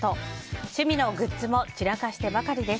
趣味のグッズも散らかしてばかりです。